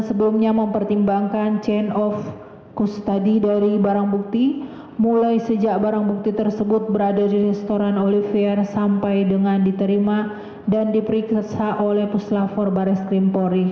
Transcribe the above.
sebelumnya mempertimbangkan chain of kus tadi dari barang bukti mulai sejak barang bukti tersebut berada di restoran olivier sampai dengan diterima dan diperiksa oleh puslafor baris krimpori